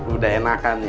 udah enakan ya